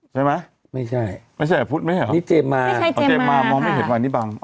ใช่ไหมไม่ใช่ไม่ใช่พุธไม่ใช่เหรอนี่เจมมาไม่ใช่เจมมาค่ะมองไม่เห็นวันนี้บาง